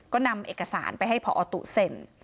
ก็นำเอกสารไปให้พอตู้เซ็น